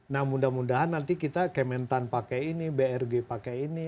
nah mudah mudahan nanti kita kementan pakai ini brg pakai ini